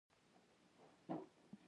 د هغه په کمربند یو واکي ټاکي نښلول شوی و